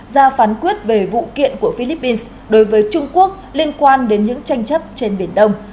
ra phán quyết về vụ kiện của philippines đối với trung quốc liên quan đến những tranh chấp trên biển đông